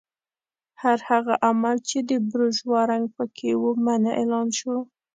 هر هغه عمل چې د بورژوا رنګ پکې و منع اعلان شو.